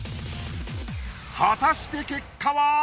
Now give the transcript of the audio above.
果たして結果は！？